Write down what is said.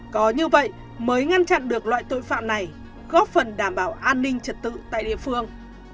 có như vậy mới ngăn chặn được loại tội phạm này góp phần đảm bảo an ninh trật tự tại địa phương